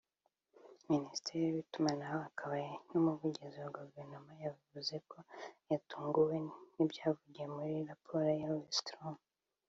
minisitiri w’itumanaho akaba n’umuvugizi wa guverinoma yavuze ko yatunguwe n’ibyavuye muri iyi raporo ya Wallström